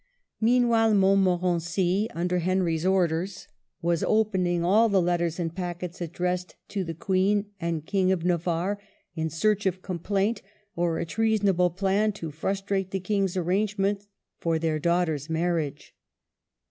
Meanwhile Montmorency, under 302 MARGARET OF ANGOUL^ME. Henry's orders, was opening all the letters and packets addressed to the Queen and King of Navarre, in search of complaint, or 'a treason able plan to frustrate the King's arrangement for their daughter's marriage.